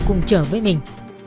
cùng chở với mình